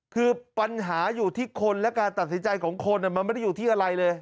คือปัญหาอยู่ที่คนและการตัดสินใจของคนมันไม่ได้อยู่ที่อะไรเลย